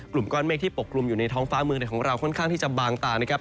กลุ่มก้อนเมฆที่ปกลุ่มอยู่ในท้องฟ้าเมืองในของเราค่อนข้างที่จะบางตานะครับ